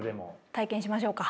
体験しましょうか。